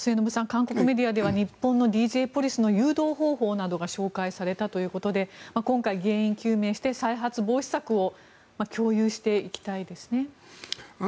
韓国メディアでは日本のＤＪポリスの誘導方法などが紹介されたということで今回、原因究明して再発防止策を共有していきたいですね。